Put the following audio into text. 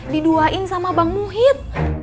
diduain sama bang muhid